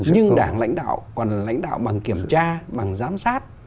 nhưng đảng lãnh đạo còn lãnh đạo bằng kiểm tra bằng giám sát